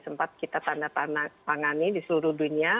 sempat kita tanda tanda tangani di seluruh dunia